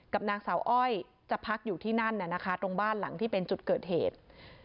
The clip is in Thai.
นางสาวอ้อยจะพักอยู่ที่นั่นตรงบ้านหลังที่เป็นจุดเกิดเหตุ